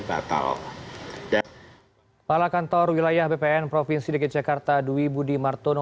batal kepala kantor wilayah bpn provinsi dki jakarta dwi budi martono